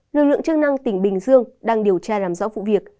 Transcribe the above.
lực lượng chức năng tỉnh bình dương đang điều tra làm rõ vụ việc